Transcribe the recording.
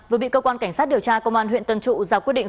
vừa bị cơ quan cảnh sát điều tra công an huyện tân trụ ra quyết định